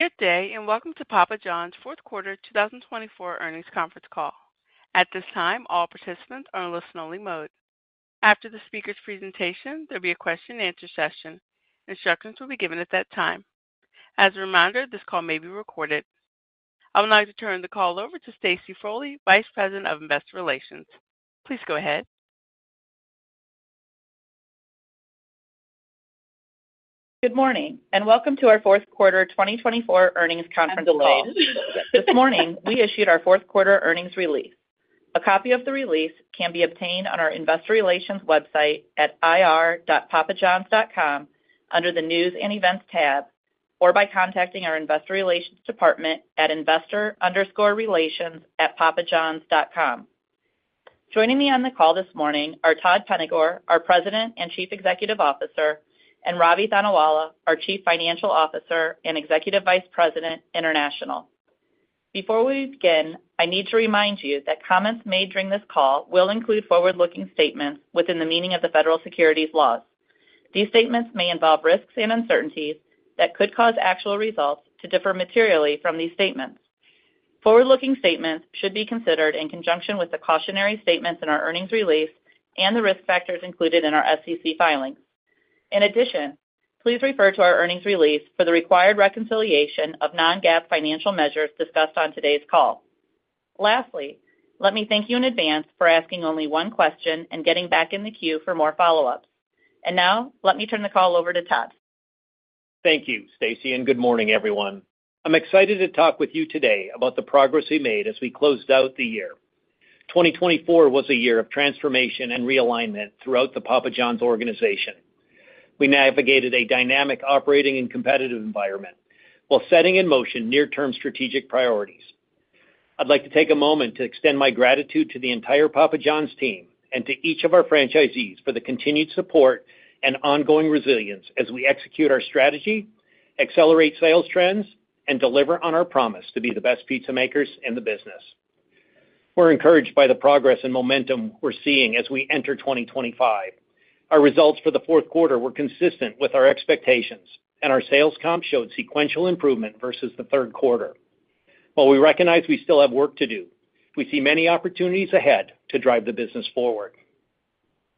Good day, and Welcome to Papa John's fourth quarter 2024 earnings conference call. At this time, all participants are in listen-only mode. After the speaker's presentation, there will be a question-and-answer session. Instructions will be given at that time. As a reminder, this call may be recorded. I would like to turn the call over to Stacy Frole, Vice President of Investor Relations. Please go ahead. Good morning, and Welcome to our fourth quarter 2024 earnings conference call. This morning, we issued our fourth quarter earnings release. A copy of the release can be obtained on our Investor Relations website at ir.papajohns.com under the News and Events tab, or by contacting our Investor Relations Department at investor_relations@papajohns.com. Joining me on the call this morning are Todd Penegor, our President and Chief Executive Officer, and Ravi Thanawala, our Chief Financial Officer and Executive Vice President International. Before we begin, I need to remind you that comments made during this call will include forward-looking statements within the meaning of the federal securities laws. These statements may involve risks and uncertainties that could cause actual results to differ materially from these statements. Forward-looking statements should be considered in conjunction with the cautionary statements in our earnings release and the risk factors included in our SEC filings. In addition, please refer to our earnings release for the required reconciliation of non-GAAP financial measures discussed on today's call. Lastly, let me thank you in advance for asking only one question and getting back in the queue for more follow-ups, and now, let me turn the call over to Todd. Thank you, Stacy, and good morning, everyone. I'm excited to talk with you today about the progress we made as we closed out the year. 2024 was a year of transformation and realignment throughout the Papa John's organization. We navigated a dynamic operating and competitive environment while setting in motion near-term strategic priorities. I'd like to take a moment to extend my gratitude to the entire Papa John's team and to each of our franchisees for the continued support and ongoing resilience as we execute our strategy, accelerate sales trends, and deliver on our promise to be the best pizza makers in the business. We're encouraged by the progress and momentum we're seeing as we enter 2025. Our results for the fourth quarter were consistent with our expectations, and our sales comp showed sequential improvement versus the third quarter. While we recognize we still have work to do, we see many opportunities ahead to drive the business forward.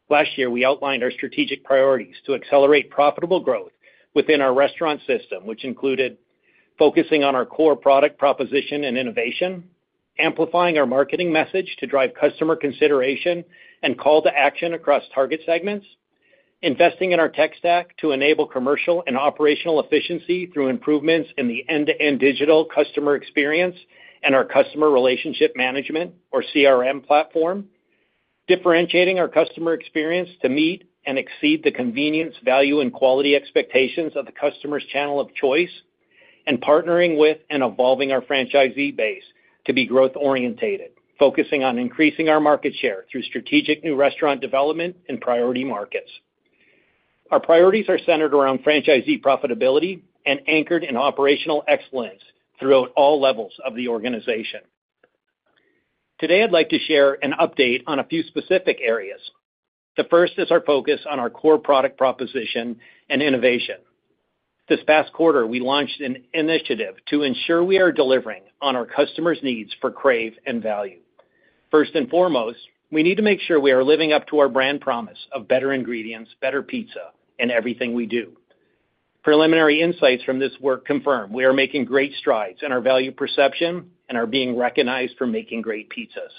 Last year, we outlined our strategic priorities to accelerate profitable growth within our restaurant system, which included focusing on our core product proposition and innovation, amplifying our marketing message to drive customer consideration and call to action across target segments, investing in our tech stack to enable commercial and operational efficiency through improvements in the end-to-end digital customer experience and our customer relationship management, or CRM platform, differentiating our customer experience to meet and exceed the convenience, value, and quality expectations of the customer's channel of choice, and partnering with and evolving our franchisee base to be growth-oriented, focusing on increasing our market share through strategic new restaurant development and priority markets. Our priorities are centered around franchisee profitability and anchored in operational excellence throughout all levels of the organization. Today, I'd like to share an update on a few specific areas. The first is our focus on our core product proposition and innovation. This past quarter, we launched an initiative to ensure we are delivering on our customers' needs for crave and value. First and foremost, we need to make sure we are living up to our brand promise of Better Ingredients, Better Pizza, and everything we do. Preliminary insights from this work confirm we are making great strides in our value perception and are being recognized for making great pizzas.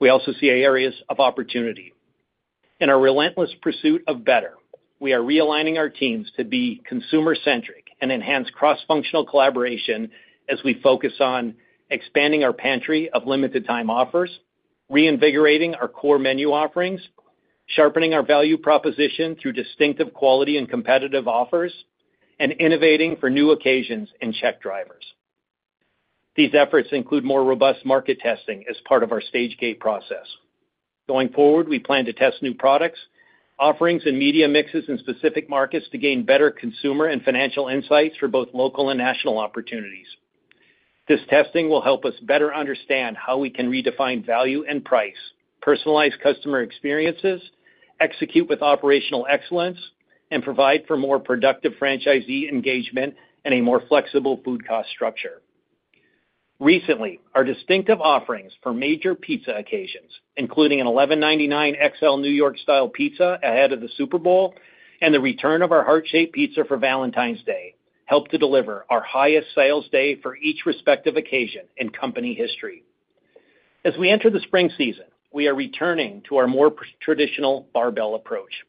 We also see areas of opportunity. In our relentless pursuit of better, we are realigning our teams to be consumer-centric and enhance cross-functional collaboration as we focus on expanding our pantry of limited-time offers, reinvigorating our core menu offerings, sharpening our value proposition through distinctive quality and competitive offers, and innovating for new occasions and check drivers. These efforts include more robust market testing as part of our Stage-Gate process. Going forward, we plan to test new products, offerings, and media mixes in specific markets to gain better consumer and financial insights for both local and national opportunities. This testing will help us better understand how we can redefine value and price, personalize customer experiences, execute with operational excellence, and provide for more productive franchisee engagement and a more flexible food cost structure.. Recently, our distinctive offerings for major pizza occasions, including an $11.99 XL New York Style Pizza ahead of the Super Bowl and the return of our Heart-Shaped Pizza for Valentine's Day, helped to deliver our highest sales day for each respective occasion in company history. As we enter the spring season, we are returning to our more traditional barbell approach.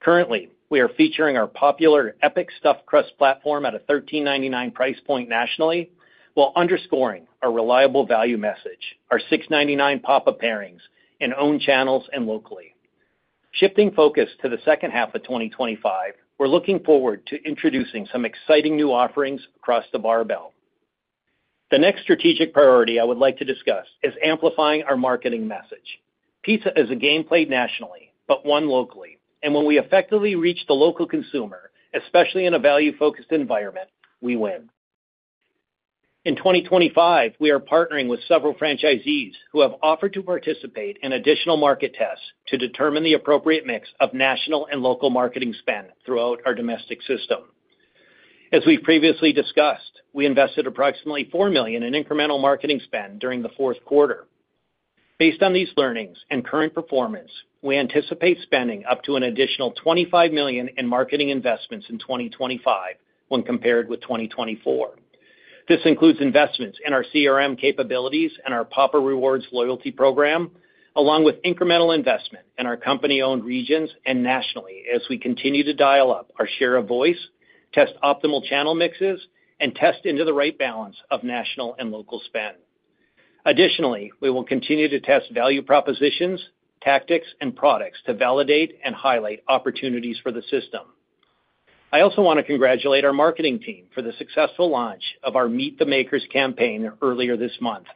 Currently, we are featuring our popular Epic Stuffed Crust platform at a $13.99 price point nationally, while underscoring our reliable value message, our $6.99 Papa Pairings, and owned channels locally. Shifting focus to the second half of 2025, we're looking forward to introducing some exciting new offerings across the barbell. The next strategic priority I would like to discuss is amplifying our marketing message. Pizza is a game played nationally, but won locally, and when we effectively reach the local consumer, especially in a value-focused environment, we win. In 2025, we are partnering with several franchisees who have offered to participate in additional market tests to determine the appropriate mix of national and local marketing spend throughout our domestic system. As we've previously discussed, we invested approximately $4 million in incremental marketing spend during the fourth quarter. Based on these learnings and current performance, we anticipate spending up to an additional $25 million in marketing investments in 2025 when compared with 2024. This includes investments in our CRM capabilities and our Papa Rewards loyalty program, along with incremental investment in our company-owned regions and nationally as we continue to dial up our share of voice, test optimal channel mixes, and test into the right balance of national and local spend. Additionally, we will continue to test value propositions, tactics, and products to validate and highlight opportunities for the system. I also want to congratulate our marketing team for the successful launch of our Meet the Makers campaign earlier this month.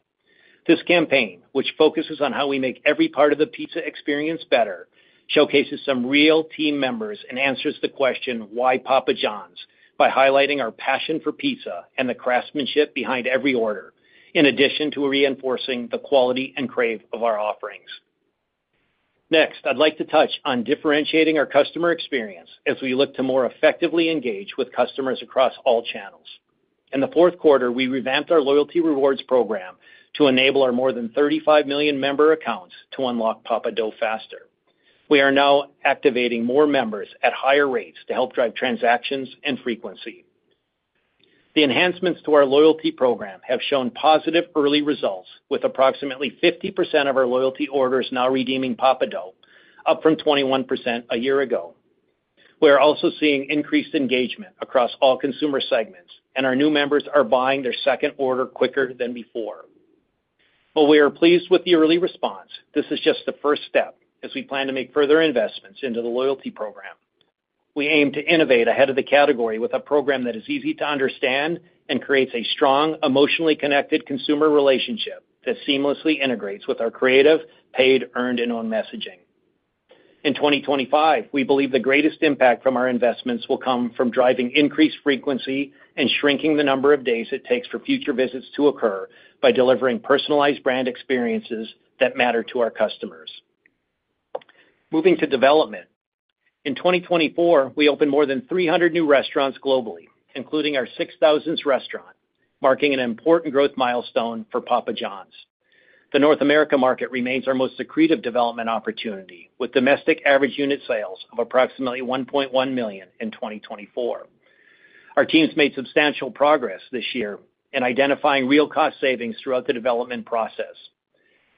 This campaign, which focuses on how we make every part of the pizza experience better, showcases some real team members and answers the question, "Why Papa John's?" by highlighting our passion for pizza and the craftsmanship behind every order, in addition to reinforcing the quality and crave of our offerings. Next, I'd like to touch on differentiating our customer experience as we look to more effectively engage with customers across all channels. In the fourth quarter, we revamped our loyalty rewards program to enable our more than 35 million member accounts to unlock Papa Dough faster. We are now activating more members at higher rates to help drive transactions and frequency. The enhancements to our loyalty program have shown positive early results, with approximately 50% of our loyalty orders now redeeming Papa Dough, up from 21% a year ago. We are also seeing increased engagement across all consumer segments, and our new members are buying their second order quicker than before. While we are pleased with the early response, this is just the first step as we plan to make further investments into the loyalty program. We aim to innovate ahead of the category with a program that is easy to understand and creates a strong, emotionally connected consumer relationship that seamlessly integrates with our creative, paid, earned, and owned messaging. In 2025, we believe the greatest impact from our investments will come from driving increased frequency and shrinking the number of days it takes for future visits to occur by delivering personalized brand experiences that matter to our customers. Moving to development, in 2024, we opened more than 300 new restaurants globally, including our 6,000th restaurant, marking an important growth milestone for Papa John's. The North America market remains our most significant development opportunity, with domestic average unit sales of approximately $1.1 million in 2024. Our teams made substantial progress this year in identifying real cost savings throughout the development process.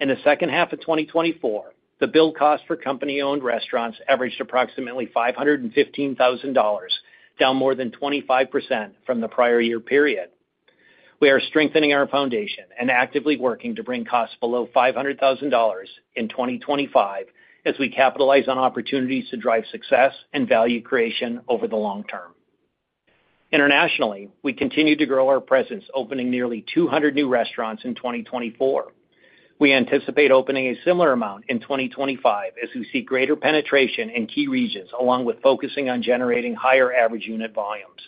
In the second half of 2024, the build cost for company-owned restaurants averaged approximately $515,000, down more than 25% from the prior year period. We are strengthening our foundation and actively working to bring costs below $500,000 in 2025 as we capitalize on opportunities to drive success and value creation over the long term. Internationally, we continue to grow our presence, opening nearly 200 new restaurants in 2024. We anticipate opening a similar amount in 2025 as we see greater penetration in key regions, along with focusing on generating higher average unit volumes.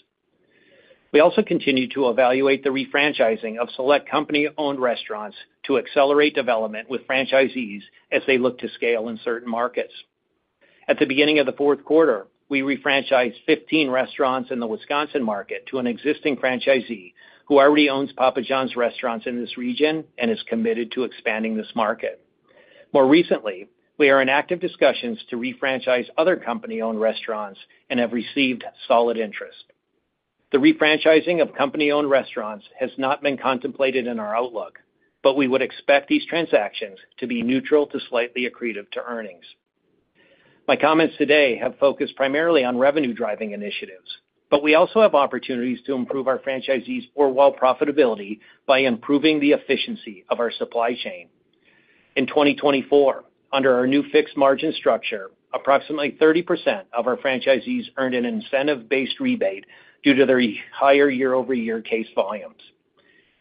We also continue to evaluate the refranchising of select company-owned restaurants to accelerate development with franchisees as they look to scale in certain markets. At the beginning of the fourth quarter, we refranchised 15 restaurants in the Wisconsin market to an existing franchisee who already owns Papa John's restaurants in this region and is committed to expanding this market. More recently, we are in active discussions to refranchise other company-owned restaurants and have received solid interest. The refranchising of company-owned restaurants has not been contemplated in our outlook, but we would expect these transactions to be neutral to slightly accretive to earnings. My comments today have focused primarily on revenue-driving initiatives, but we also have opportunities to improve our franchisees' forward profitability by improving the efficiency of our supply chain. In 2024, under our new fixed margin structure, approximately 30% of our franchisees earned an incentive-based rebate due to their higher year-over-year case volumes.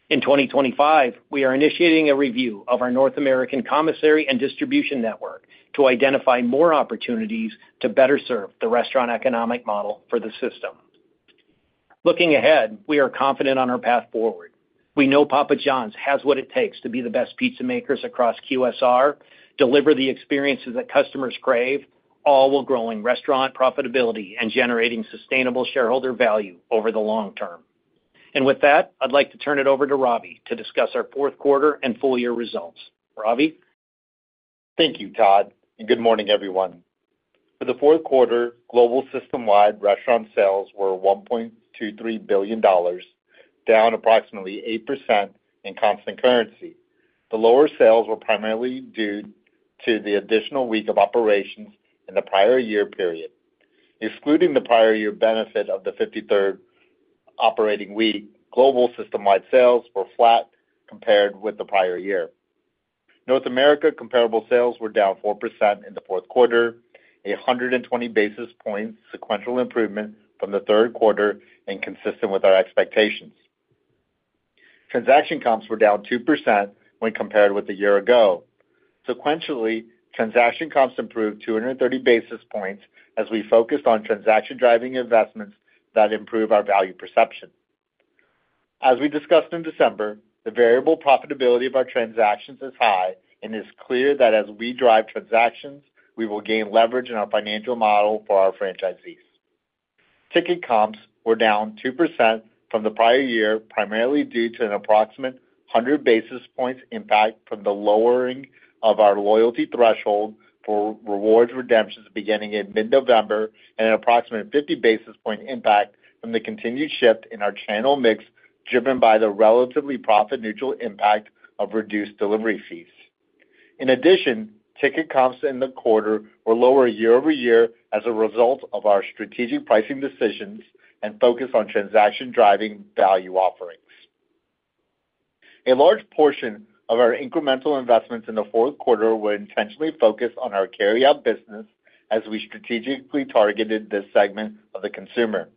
In 2025, we are initiating a review of our North American Commissary and Distribution Network to identify more opportunities to better serve the restaurant economic model for the system. Looking ahead, we are confident on our path forward. We know Papa John's has what it takes to be the best pizza makers across QSR, deliver the experiences that customers crave, all while growing restaurant profitability and generating sustainable shareholder value over the long term. And with that, I'd like to turn it over to Ravi to discuss our fourth quarter and full year results. Ravi? Thank you, Todd. Good morning, everyone. For the fourth quarter, global system-wide restaurant sales were $1.23 billion, down approximately 8% in constant currency. The lower sales were primarily due to the additional week of operations in the prior year period. Excluding the prior year benefit of the 53rd operating week, global system-wide sales were flat compared with the prior year. North America comparable sales were down 4% in the fourth quarter, a 120 basis points sequential improvement from the third quarter and consistent with our expectations. Transaction comps were down 2% when compared with the year ago. Sequentially, transaction comps improved 230 basis points as we focused on transaction-driving investments that improve our value perception. As we discussed in December, the variable profitability of our transactions is high, and it's clear that as we drive transactions, we will gain leverage in our financial model for our franchisees. Ticket comps were down 2% from the prior year, primarily due to an approximate 100 basis points impact from the lowering of our loyalty threshold for rewards redemptions beginning in mid-November and an approximate 50 basis point impact from the continued shift in our channel mix driven by the relatively profit-neutral impact of reduced delivery fees. In addition, ticket comps in the quarter were lower year-over-year as a result of our strategic pricing decisions and focus on transaction-driving value offerings. A large portion of our incremental investments in the fourth quarter were intentionally focused on our carryout business as we strategically targeted this segment of the consumer.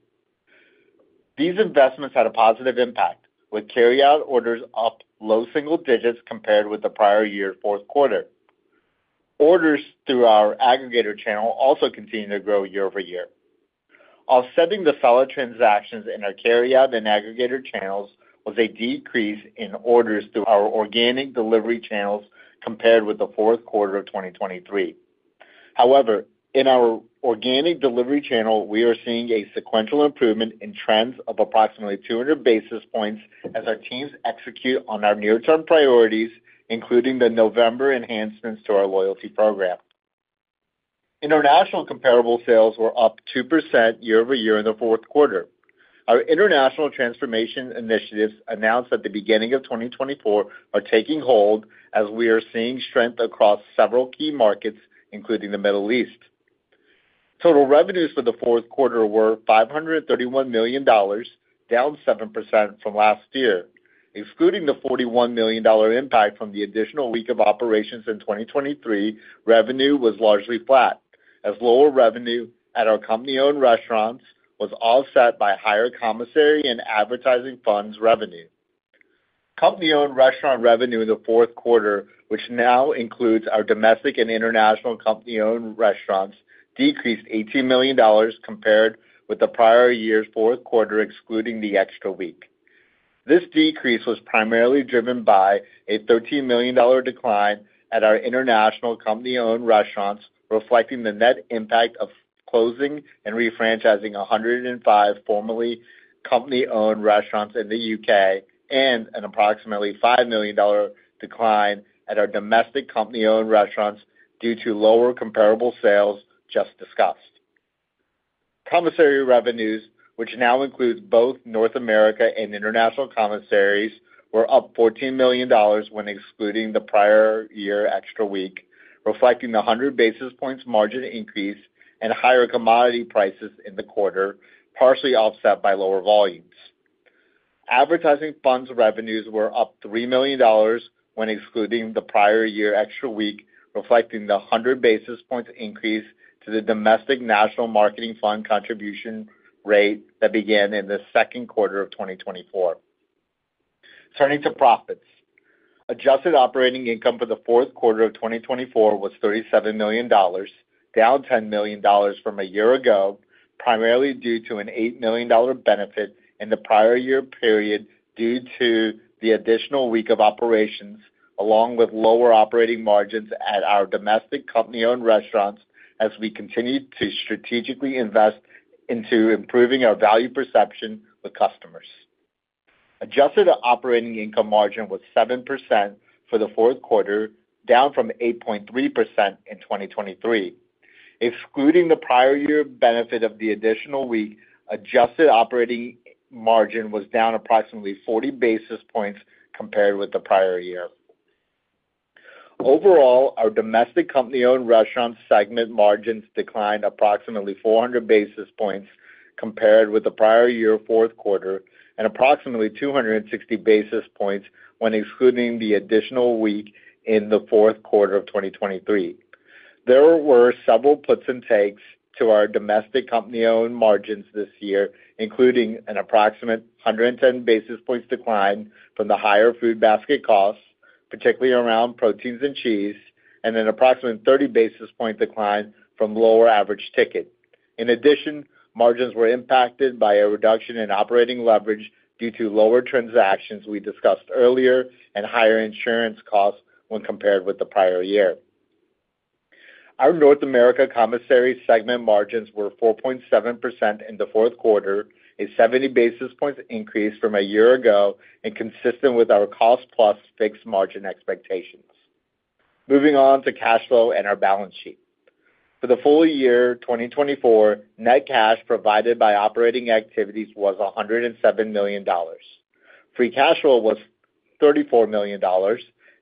These investments had a positive impact, with carryout orders up low single digits compared with the prior year's fourth quarter. Orders through our aggregator channel also continued to grow year-over-year. Offsetting the solid transactions in our carryout and aggregator channels was a decrease in orders through our organic delivery channels compared with the fourth quarter of 2023. However, in our organic delivery channel, we are seeing a sequential improvement in trends of approximately 200 basis points as our teams execute on our near-term priorities, including the November enhancements to our loyalty program. International comparable sales were up 2% year-over-year in the fourth quarter. Our international transformation initiatives announced at the beginning of 2024 are taking hold as we are seeing strength across several key markets, including the Middle East. Total revenues for the fourth quarter were $531 million, down 7% from last year. Excluding the $41 million impact from the additional week of operations in 2023, revenue was largely flat, as lower revenue at our company-owned restaurants was offset by higher commissary and advertising funds revenue. Company-owned restaurant revenue in the fourth quarter, which now includes our domestic and international company-owned restaurants, decreased $18 million compared with the prior year's fourth quarter, excluding the extra week. This decrease was primarily driven by a $13 million decline at our international company-owned restaurants, reflecting the net impact of closing and refranchising 105 formerly company-owned restaurants in the U.K. and an approximately $5 million decline at our domestic company-owned restaurants due to lower comparable sales just discussed. Commissary revenues, which now include both North America and international commissaries, were up $14 million when excluding the prior year extra week, reflecting the 100 basis points margin increase and higher commodity prices in the quarter, partially offset by lower volumes. Advertising funds revenues were up $3 million when excluding the prior year's extra week, reflecting the 100 basis points increase to the domestic national marketing fund contribution rate that began in the second quarter of 2024. Turning to profits, adjusted operating income for the fourth quarter of 2024 was $37 million, down $10 million from a year ago, primarily due to an $8 million benefit in the prior year period due to the additional week of operations, along with lower operating margins at our domestic company-owned restaurants as we continue to strategically invest into improving our value perception with customers. Adjusted operating income margin was 7% for the fourth quarter, down from 8.3% in 2023. Excluding the prior year benefit of the additional week, adjusted operating margin was down approximately 40 basis points compared with the prior year. Overall, our domestic company-owned restaurant segment margins declined approximately 400 basis points compared with the prior year fourth quarter and approximately 260 basis points when excluding the additional week in the fourth quarter of 2023. There were several puts and takes to our domestic company-owned margins this year, including an approximate 110 basis points decline from the higher food basket costs, particularly around proteins and cheese, and an approximate 30 basis point decline from lower average ticket. In addition, margins were impacted by a reduction in operating leverage due to lower transactions we discussed earlier and higher insurance costs when compared with the prior year. Our North America commissary segment margins were 4.7% in the fourth quarter, a 70 basis points increase from a year ago, and consistent with our cost-plus fixed margin expectations. Moving on to cash flow and our balance sheet. For the full year 2024, net cash provided by operating activities was $107 million. Free cash flow was $34 million,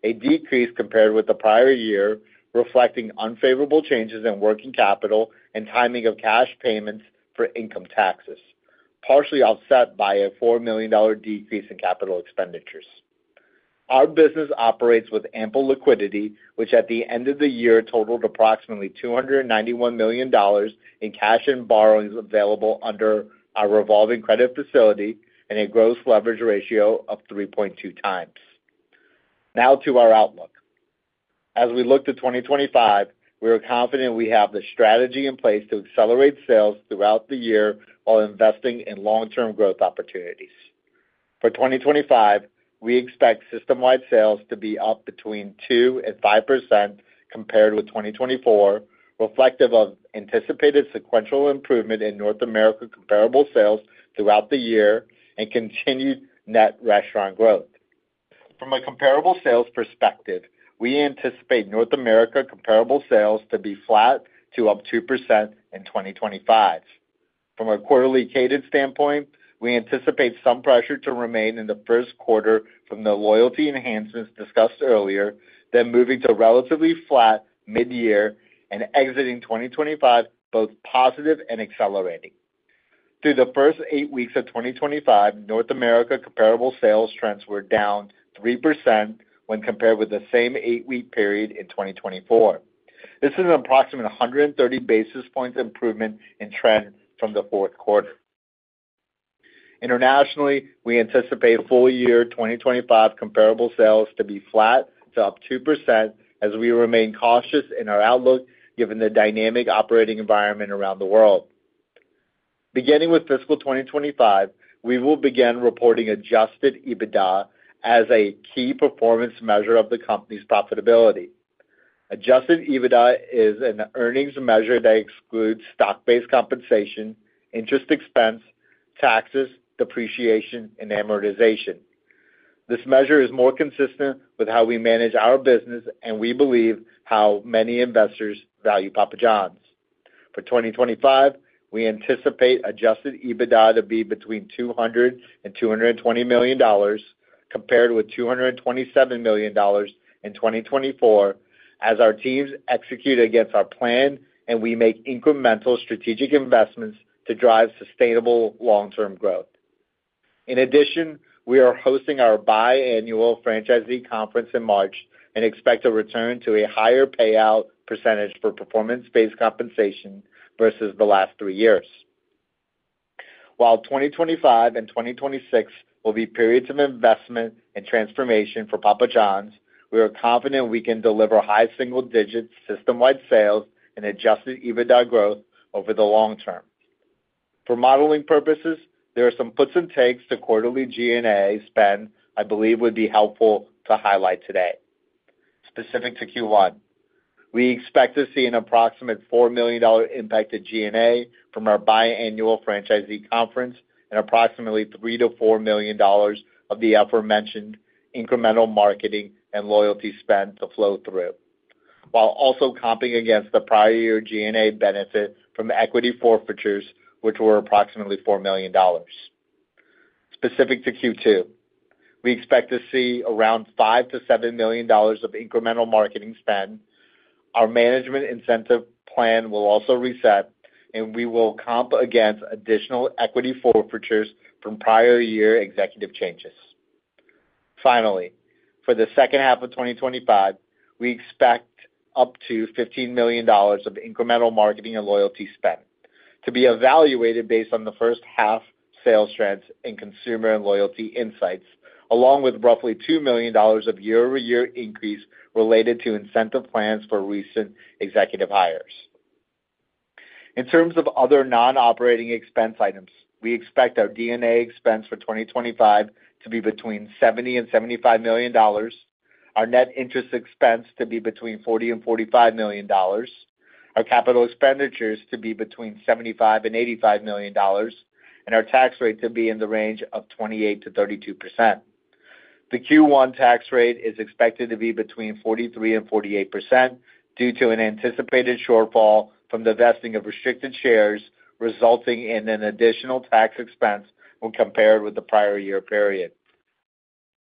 a decrease compared with the prior year, reflecting unfavorable changes in working capital and timing of cash payments for income taxes, partially offset by a $4 million decrease in capital expenditures. Our business operates with ample liquidity, which at the end of the year totaled approximately $291 million in cash and borrowings available under our revolving credit facility and a gross leverage ratio of 3.2 times. Now to our outlook. As we look to 2025, we are confident we have the strategy in place to accelerate sales throughout the year while investing in long-term growth opportunities. For 2025, we expect system-wide sales to be up between 2% and 5% compared with 2024, reflective of anticipated sequential improvement in North America comparable sales throughout the year and continued net restaurant growth. From a comparable sales perspective, we anticipate North America comparable sales to be flat to up 2% in 2025. From a quarterly cadence standpoint, we anticipate some pressure to remain in the first quarter from the loyalty enhancements discussed earlier, then moving to relatively flat mid-year and exiting 2025 both positive and accelerating. Through the first eight weeks of 2025, North America comparable sales trends were down 3% when compared with the same eight-week period in 2024. This is an approximate 130 basis points improvement in trend from the fourth quarter. Internationally, we anticipate full year 2025 comparable sales to be flat to up 2% as we remain cautious in our outlook given the dynamic operating environment around the world. Beginning with fiscal 2025, we will begin reporting Adjusted EBITDA as a key performance measure of the company's profitability. Adjusted EBITDA is an earnings measure that excludes stock-based compensation, interest expense, taxes, depreciation, and amortization. This measure is more consistent with how we manage our business and we believe how many investors value Papa John's. For 2025, we anticipate Adjusted EBITDA to be between $200-$220 million compared with $227 million in 2024 as our teams execute against our plan and we make incremental strategic investments to drive sustainable long-term growth. In addition, we are hosting our biannual franchisee conference in March and expect to return to a higher payout percentage for performance-based compensation versus the last three years. While 2025 and 2026 will be periods of investment and transformation for Papa John's, we are confident we can deliver high single-digit system-wide sales and Adjusted EBITDA growth over the long term. For modeling purposes, there are some puts and takes to quarterly G&A spend, I believe would be helpful to highlight today. Specific to Q1, we expect to see an approximate $4 million impacted G&A from our biannual franchisee conference and approximately $3-$4 million of the aforementioned incremental marketing and loyalty spend to flow through, while also comping against the prior year G&A benefit from equity forfeitures, which were approximately $4 million. Specific to Q2, we expect to see around $5-$7 million of incremental marketing spend. Our management incentive plan will also reset, and we will comp against additional equity forfeitures from prior year executive changes. Finally, for the second half of 2025, we expect up to $15 million of incremental marketing and loyalty spend to be evaluated based on the first half sales strengths and consumer and loyalty insights, along with roughly $2 million of year-over-year increase related to incentive plans for recent executive hires. In terms of other non-operating expense items, we expect our D&A expense for 2025 to be between $70 and $75 million, our net interest expense to be between $40 and $45 million, our capital expenditures to be between $75 and $85 million, and our tax rate to be in the range of 28% to 32%. The Q1 tax rate is expected to be between 43% and 48% due to an anticipated shortfall from the vesting of restricted shares, resulting in an additional tax expense when compared with the prior year period.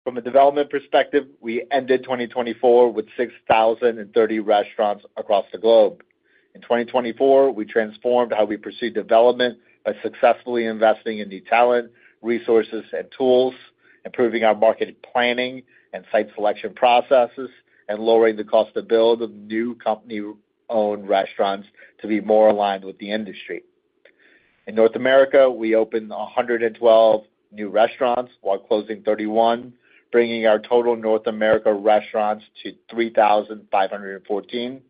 From a development perspective, we ended 2024 with 6,030 restaurants across the globe. In 2024, we transformed how we pursued development by successfully investing in new talent, resources, and tools, improving our marketing planning and site selection processes, and lowering the cost to build new company-owned restaurants to be more aligned with the industry. In North America, we opened 112 new restaurants while closing 31, bringing our total North America restaurants to 3,514.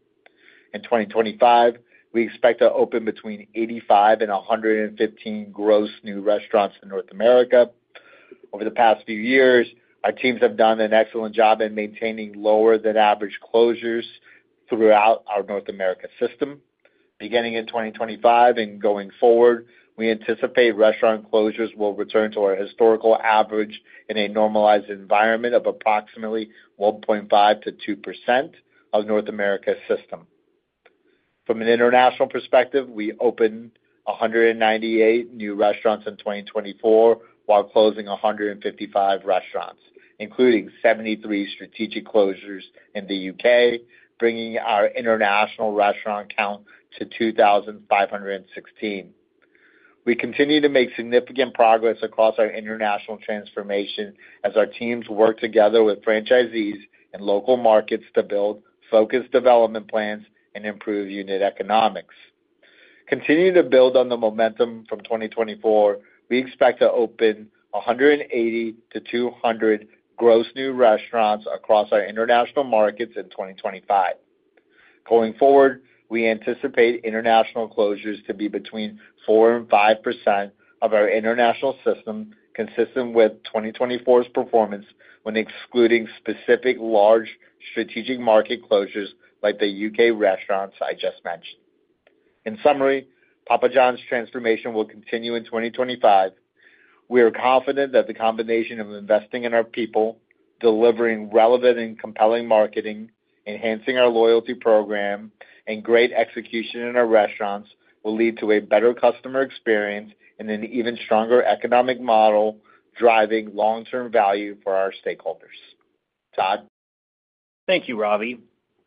In 2025, we expect to open between 85 and 115 gross new restaurants in North America. Over the past few years, our teams have done an excellent job in maintaining lower-than-average closures throughout our North America system. Beginning in 2025 and going forward, we anticipate restaurant closures will return to our historical average in a normalized environment of approximately 1.5%-2% of North America's system. From an international perspective, we opened 198 new restaurants in 2024 while closing 155 restaurants, including 73 strategic closures in the U.K., bringing our international restaurant count to 2,516. We continue to make significant progress across our international transformation as our teams work together with franchisees and local markets to build focused development plans and improve unit economics. Continuing to build on the momentum from 2024, we expect to open 180-200 gross new restaurants across our international markets in 2025. Going forward, we anticipate international closures to be between 4 and 5% of our international system, consistent with 2024's performance when excluding specific large strategic market closures like the U.K. restaurants I just mentioned. In summary, Papa John's transformation will continue in 2025. We are confident that the combination of investing in our people, delivering relevant and compelling marketing, enhancing our loyalty program, and great execution in our restaurants will lead to a better customer experience and an even stronger economic model driving long-term value for our stakeholders. Thank you, Ravi.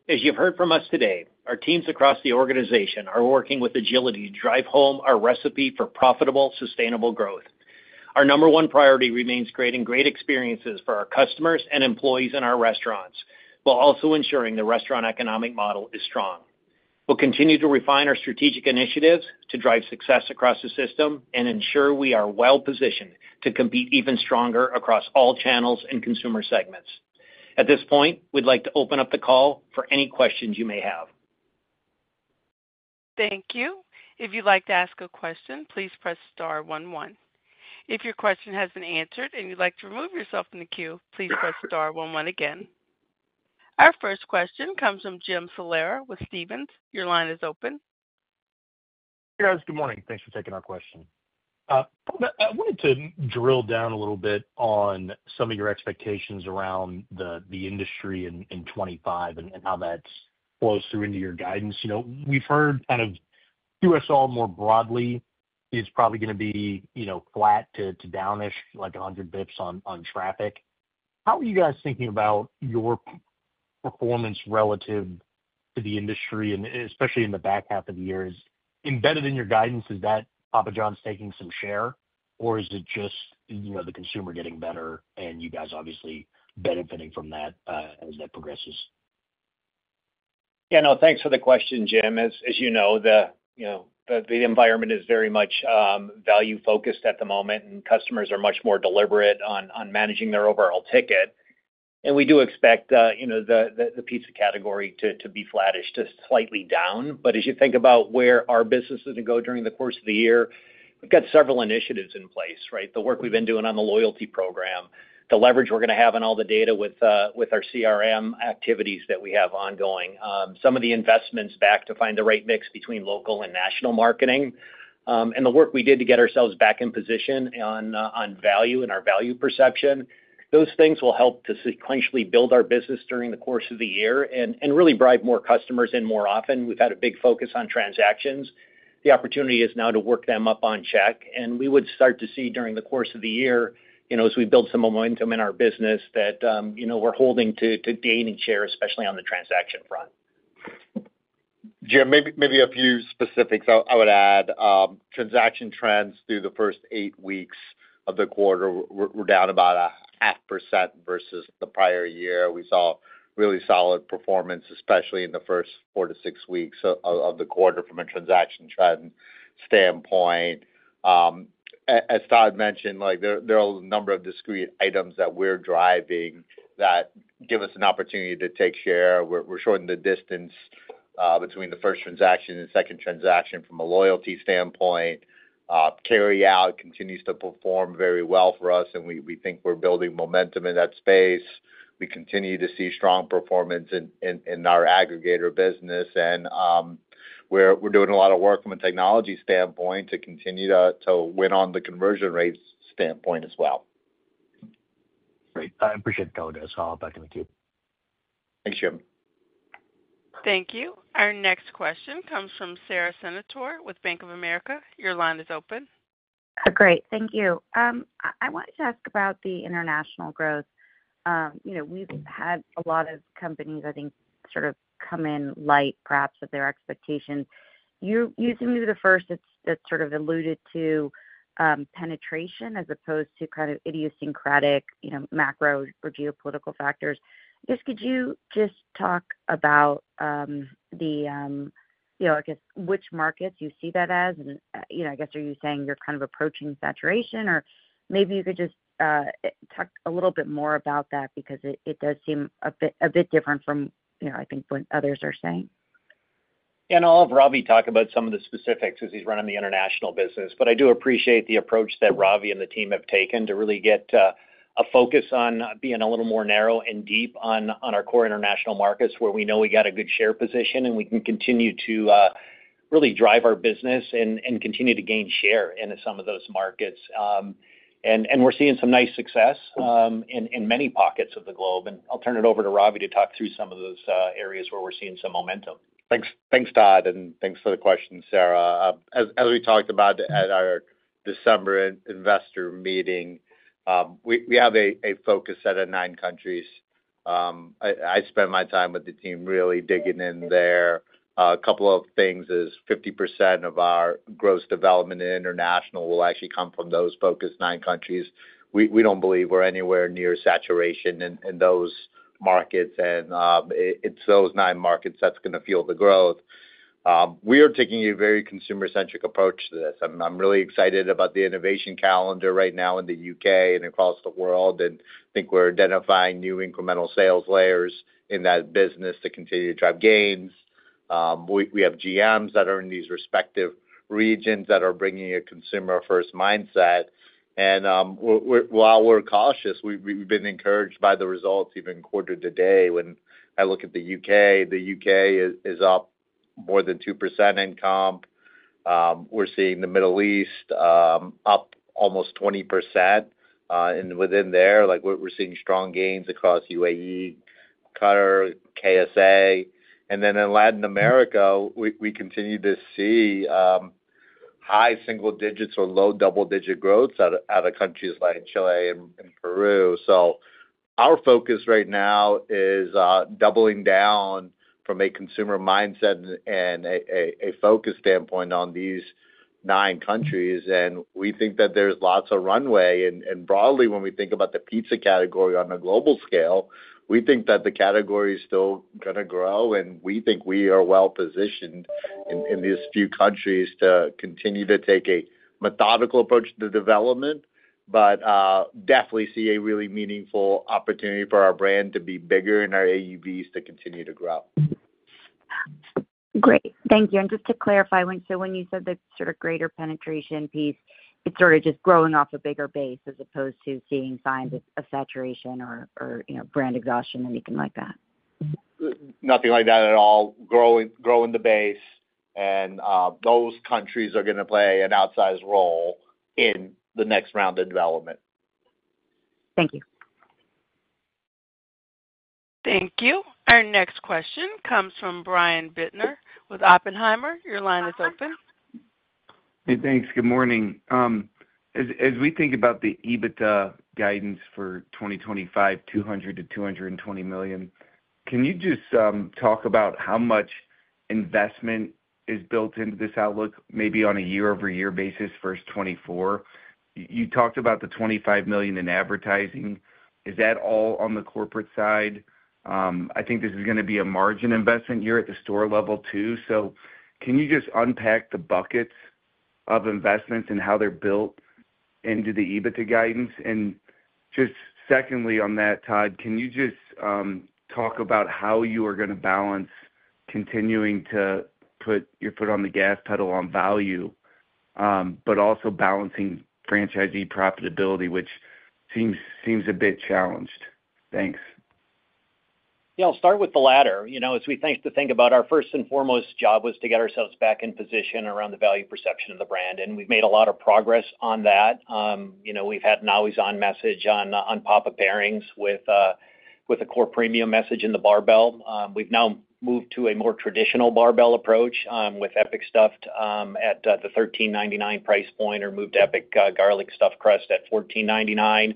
As you've heard from us today, our teams across the organization are working with agility to drive home our recipe for profitable, sustainable growth. Our number one priority remains creating great experiences for our customers and employees in our restaurants while also ensuring the restaurant's economic model is strong. We'll continue to refine our strategic initiatives to drive success across the system and ensure we are well-positioned to compete even stronger across all channels and consumer segments. At this point, we'd like to open up the call for any questions you may have. Thank you. If you'd like to ask a question, please press star one one. If your question has been answered and you'd like to remove yourself from the queue, please press star one one again. Our first question comes from Jim Salera with Stephens. Your line is open. Hey, guys. Good morning. Thanks for taking our question. I wanted to drill down a little bit on some of your expectations around the industry in 2025 and how that flows through into your guidance. We've heard kind of QSR all more broadly is probably going to be flat to downish, like 100 basis points on traffic. How are you guys thinking about your performance relative to the industry, and especially in the back half of the year? Is embedded in your guidance, is that Papa John's taking some share, or is it just the consumer getting better and you guys obviously benefiting from that as that progresses? Yeah, no, thanks for the question, Jim. As you know, the environment is very much value-focused at the moment, and customers are much more deliberate on managing their overall ticket, and we do expect the pizza category to be flattish, just slightly down, but as you think about where our business is going to go during the course of the year, we've got several initiatives in place, right? The work we've been doing on the loyalty program, the leverage we're going to have on all the data with our CRM activities that we have ongoing, some of the investments back to find the right mix between local and national marketing, and the work we did to get ourselves back in position on value and our value perception, those things will help to sequentially build our business during the course of the year and really bring more customers in more often. We've had a big focus on transactions. The opportunity is now to work them up on check. And we would start to see during the course of the year, as we build some momentum in our business, that we're holding to gaining share, especially on the transaction front. Jim, maybe a few specifics I would add. Transaction trends through the first eight weeks of the quarter were down about 0.5% versus the prior year. We saw really solid performance, especially in the first four to six weeks of the quarter from a transaction trend standpoint. As Todd mentioned, there are a number of discrete items that we're driving that give us an opportunity to take share. We're shortening the distance between the first transaction and second transaction from a loyalty standpoint. Carryout continues to perform very well for us, and we think we're building momentum in that space. We continue to see strong performance in our aggregator business, and we're doing a lot of work from a technology standpoint to continue to win on the conversion rate standpoint as well. Great. I appreciate the call, guys. I'll back in the queue. Thanks, Jim. Thank you. Our next question comes from Sara Senatore with Bank of America. Your line is open. Great. Thank you. I wanted to ask about the international growth. We've had a lot of companies, I think, sort of come in light of their expectations. You seem to be the first that's sort of alluded to penetration as opposed to kind of idiosyncratic macro or geopolitical factors. Just could you just talk about the, I guess, which markets you see that as? And I guess are you saying you're kind of approaching saturation, or maybe you could just talk a little bit more about that because it does seem a bit different from, I think, what others are saying? Yeah, and I'll have Ravi talk about some of the specifics as he's running the international business. But I do appreciate the approach that Ravi and the team have taken to really get a focus on being a little more narrow and deep on our core international markets where we know we got a good share position and we can continue to really drive our business and continue to gain share in some of those markets. And we're seeing some nice success in many pockets of the globe. And I'll turn it over to Ravi to talk through some of those areas where we're seeing some momentum. Thanks, Todd. And thanks for the question, Sara. As we talked about at our December investor meeting, we have a focus set at nine countries. I spent my time with the team really digging in there. A couple of things is 50% of our gross development in international will actually come from those focused nine countries. We don't believe we're anywhere near saturation in those markets. And it's those nine markets that's going to fuel the growth. We are taking a very consumer-centric approach to this. I'm really excited about the innovation calendar right now in the U.K. and across the world. And I think we're identifying new incremental sales layers in that business to continue to drive gains. We have GMs that are in these respective regions that are bringing a consumer-first mindset. And while we're cautious, we've been encouraged by the results even quarter-to-date. When I look at the U.K., the U.K. is up more than 2% in comp. We're seeing the Middle East up almost 20%. And within there, we're seeing strong gains across UAE, Qatar, KSA. And then in Latin America, we continue to see high single-digits or low double-digit growth out of countries like Chile and Peru. Our focus right now is doubling down from a consumer mindset and a focus standpoint on these nine countries. We think that there's lots of runway. Broadly, when we think about the pizza category on a global scale, we think that the category is still going to grow. We think we are well-positioned in these few countries to continue to take a methodical approach to the development, but definitely see a really meaningful opportunity for our brand to be bigger and our AUVs to continue to grow. Great. Thank you. Just to clarify, when you said the sort of greater penetration piece, it's sort of just growing off a bigger base as opposed to seeing signs of saturation or brand exhaustion or anything like that? Nothing like that at all. Growing the base. And those countries are going to play an outsized role in the next round of development. Thank you. Thank you. Our next question comes from Brian Bittner with Oppenheimer. Your line is open. Hey, thanks. Good morning. As we think about the EBITDA guidance for 2025, $200 million-$220 million, can you just talk about how much investment is built into this outlook, maybe on a year-over-year basis, versus 2024? You talked about the $25 million in advertising. Is that all on the corporate side? I think this is going to be a margin investment here at the store level too. So can you just unpack the buckets of investments and how they're built into the EBITDA guidance? Just secondly on that, Todd, can you just talk about how you are going to balance continuing to put your foot on the gas pedal on value, but also balancing franchisee profitability, which seems a bit challenged? Thanks. Yeah, I'll start with the latter. As we think about our first and foremost job was to get ourselves back in position around the value perception of the brand. And we've made a lot of progress on that. We've had an always-on message on Papa Pairings with a core premium message in the barbell. We've now moved to a more traditional barbell approach with Epic Stuffed Crust at the $13.99 price point, moved to Epic Garlic Stuffed Crust at $14.99.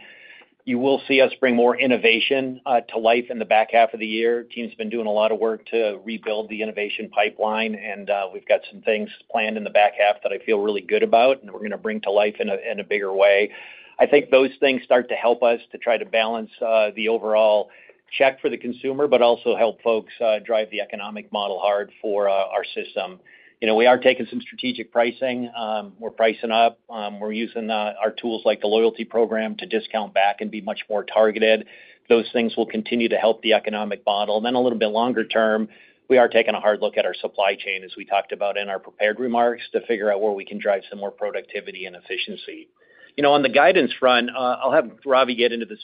You will see us bring more innovation to life in the back half of the year. The team's been doing a lot of work to rebuild the innovation pipeline. And we've got some things planned in the back half that I feel really good about and that we're going to bring to life in a bigger way. I think those things start to help us to try to balance the overall check for the consumer, but also help folks drive the economic model hard for our system. We are taking some strategic pricing. We're pricing up. We're using our tools like the loyalty program to discount back and be much more targeted. Those things will continue to help the economic model. And then a little bit longer term, we are taking a hard look at our supply chain, as we talked about in our prepared remarks, to figure out where we can drive some more productivity and efficiency. On the guidance front, I'll have Ravi get into the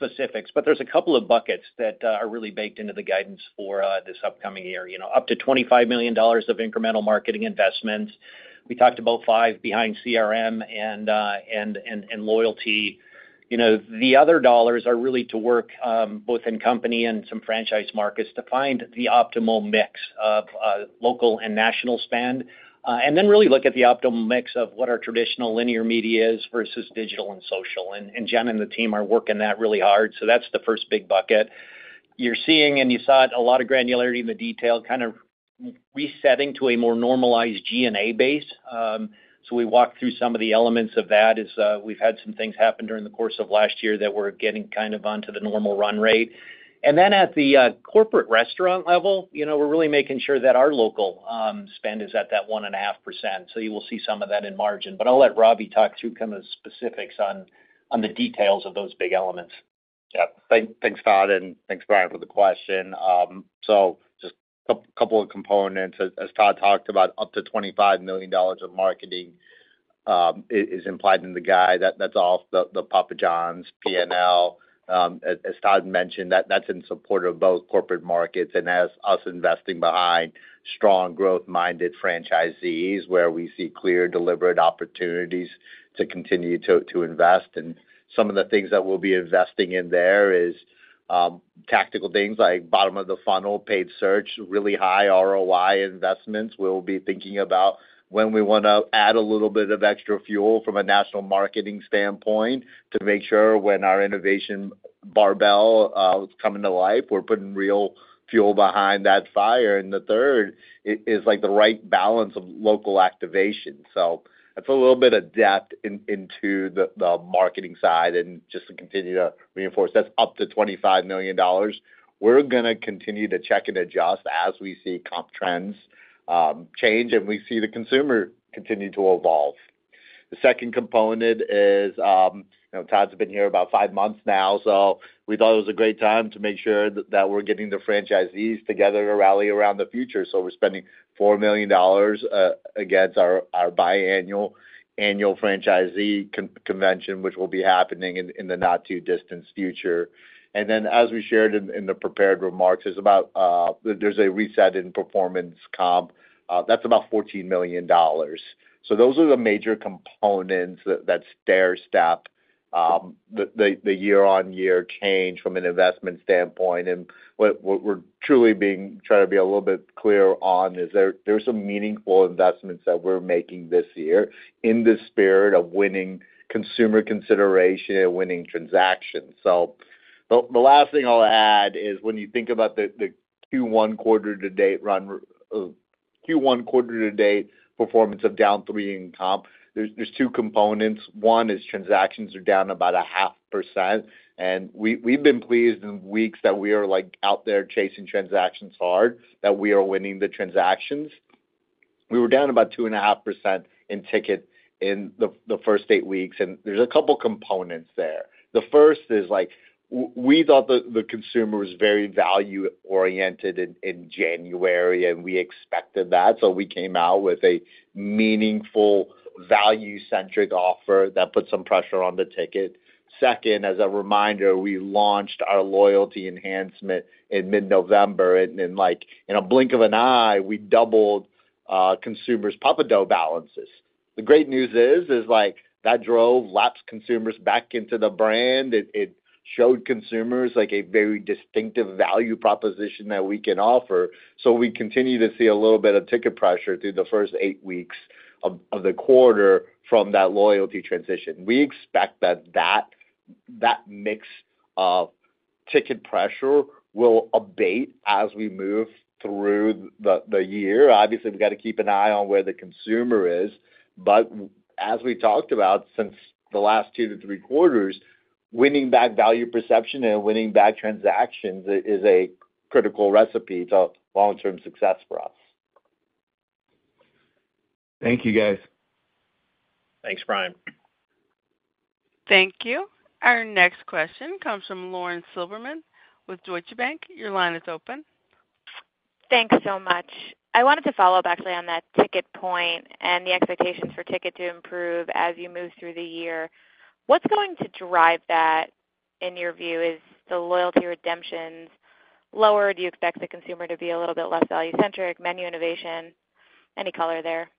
specifics, but there's a couple of buckets that are really baked into the guidance for this upcoming year. Up to $25 million of incremental marketing investments. We talked about five behind CRM and loyalty. The other dollars are really to work both in company and some franchise markets to find the optimal mix of local and national spend. And then really look at the optimal mix of what our traditional linear media is versus digital and social. And Jen and the team are working that really hard. So that's the first big bucket. You're seeing, and you saw a lot of granularity in the detail, kind of resetting to a more normalized G&A base. So we walked through some of the elements of that as we've had some things happen during the course of last year that we're getting kind of onto the normal run rate. And then at the corporate restaurant level, we're really making sure that our local spend is at that 1.5%. So you will see some of that in margin. But I'll let Ravi talk through kind of the specifics on the details of those big elements. Yeah. Thanks, Todd. And thanks, Brian, for the question. So just a couple of components. As Todd talked about, up to $25 million of marketing is implied in the guide. That's off the Papa John's P&L. As Todd mentioned, that's in support of both corporate markets and has us investing behind strong growth-minded franchisees where we see clear, deliberate opportunities to continue to invest. And some of the things that we'll be investing in there are tactical things like bottom of the funnel, paid search, really high ROI investments. We'll be thinking about when we want to add a little bit of extra fuel from a national marketing standpoint to make sure when our innovation barbell is coming to life, we're putting real fuel behind that fire. And the third is the right balance of local activation. So that's a little bit of depth into the marketing side. And just to continue to reinforce, that's up to $25 million. We're going to continue to check and adjust as we see comp trends change and we see the consumer continue to evolve. The second component is Todd's been here about five months now. So we thought it was a great time to make sure that we're getting the franchisees together to rally around the future. We're spending $4 million against our biannual annual franchisee convention, which will be happening in the not-too-distant future. Then, as we shared in the prepared remarks, there's a reset in performance comp. That's about $14 million. Those are the major components that stair-step the year-on-year change from an investment standpoint. What we're truly trying to be a little bit clear on is there are some meaningful investments that we're making this year in the spirit of winning consumer consideration and winning transactions. The last thing I'll add is when you think about the Q1 quarter-to-date performance of down 3% in comps, there are two components. One is transactions are down about 0.5%. We've been pleased in weeks that we are out there chasing transactions hard, that we are winning the transactions. We were down about 2.5% in ticket in the first eight weeks. And there's a couple of components there. The first is we thought the consumer was very value-oriented in January, and we expected that. So we came out with a meaningful value-centric offer that put some pressure on the ticket. Second, as a reminder, we launched our loyalty enhancement in mid-November. And in a blink of an eye, we doubled consumers' Papa Dough balance. The great news is that drove lapsed consumers back into the brand. It showed consumers a very distinctive value proposition that we can offer. So we continue to see a little bit of ticket pressure through the first eight weeks of the quarter from that loyalty transition. We expect that that mix of ticket pressure will abate as we move through the year. Obviously, we've got to keep an eye on where the consumer is. But as we talked about, since the last two to three quarters, winning back value perception and winning back transactions is a critical recipe to long-term success for us. Thank you, guys. Thanks, Brian. Thank you. Our next question comes from Lauren Silberman with Deutsche Bank. Your line is open. Thanks so much. I wanted to follow up actually on that ticket point and the expectations for ticket to improve as you move through the year. What's going to drive that in your view? Is the loyalty redemptions lower? Do you expect the consumer to be a little bit less value-centric, menu innovation? Any color there?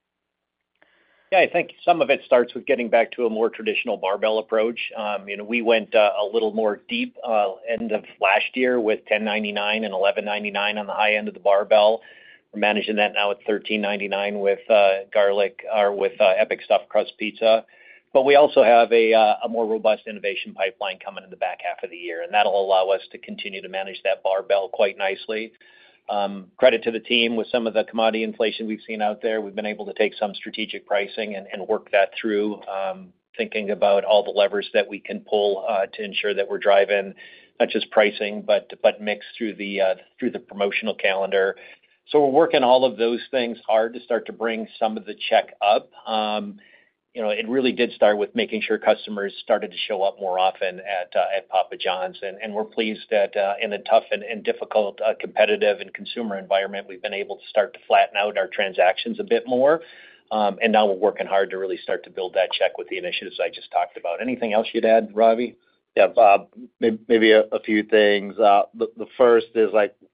Yeah, I think some of it starts with getting back to a more traditional barbell approach. We went a little more deep end of last year with $10.99 and $11.99 on the high end of the barbell. We're managing that now at $13.99 with Epic Stuffed Crust Pizza. But we also have a more robust innovation pipeline coming in the back half of the year. And that'll allow us to continue to manage that barbell quite nicely. Credit to the team with some of the commodity inflation we've seen out there. We've been able to take some strategic pricing and work that through, thinking about all the levers that we can pull to ensure that we're driving not just pricing, but mix through the promotional calendar. So we're working all of those things hard to start to bring some of the check up. It really did start with making sure customers started to show up more often at Papa John's. And we're pleased that in a tough and difficult competitive and consumer environment, we've been able to start to flatten out our transactions a bit more. And now we're working hard to really start to build that check with the initiatives I just talked about. Anything else you'd add, Ravi? Yeah, Todd, maybe a few things. The first is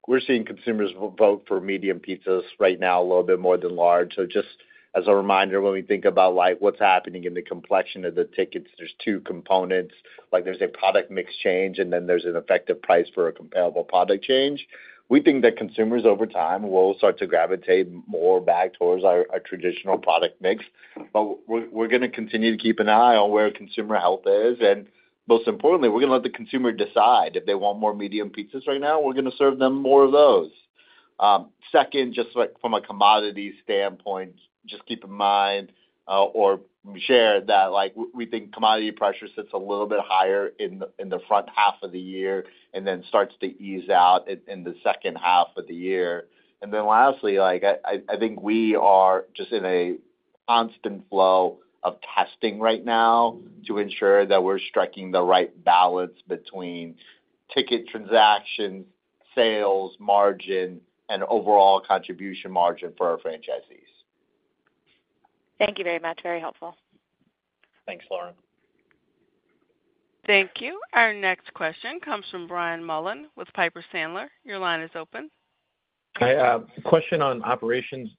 we're seeing consumers vote for medium pizzas right now a little bit more than large. So just as a reminder, when we think about what's happening in the complexion of the tickets, there's two components. There's a product mix change, and then there's an effective price for a comparable product change. We think that consumers over time will start to gravitate more back towards our traditional product mix. But we're going to continue to keep an eye on where consumer health is. And most importantly, we're going to let the consumer decide. If they want more medium pizzas right now, we're going to serve them more of those. Second, just from a commodity standpoint, just keep in mind or share that we think commodity pressure sits a little bit higher in the front half of the year and then starts to ease out in the second half of the year. And then lastly, I think we are just in a constant flow of testing right now to ensure that we're striking the right balance between ticket transactions, sales, margin, and overall contribution margin for our franchisees. Thank you very much. Very helpful. Thanks, Lauren. Thank you. Our next question comes from Brian Mullan with Piper Sandler. Your line is open. Hi. Question on operations.